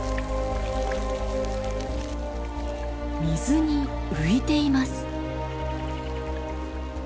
水に浮いています。